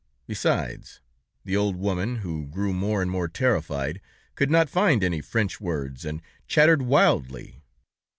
Besides, the old woman, who grew more and more terrified, could not find any French words, and chattered wildly.